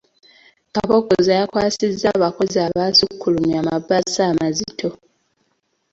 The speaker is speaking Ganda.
Kabogoza yakwasizza abakozi abasukkulumye amabaasa amazito.